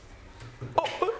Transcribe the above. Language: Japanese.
あっえっ！